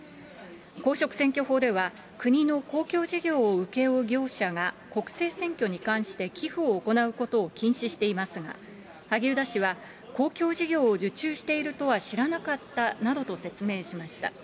公職選挙法では、国の公共事業を請け負う業者が国政選挙に関して寄付を行うことを禁止していますが、萩生田氏は、公共事業を受注しているとは知らなかったなどと説明しました。